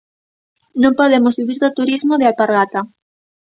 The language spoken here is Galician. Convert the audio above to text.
Non podemos vivir do turismo de alpargata.